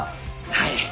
はい！